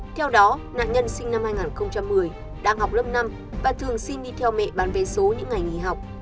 theo đó nạn nhân sinh năm hai nghìn một mươi đang học lớp năm và thường xin đi theo mẹ bán vé số những ngày nghỉ học